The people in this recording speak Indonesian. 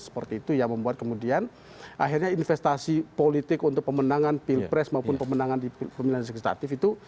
seperti itu yang membuat kemudian akhirnya investasi politik untuk pemenangan pilpres maupun pemenangan di pemilihan legislatif itu